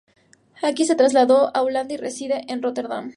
Aki se trasladó a Holanda y reside en Rotterdam.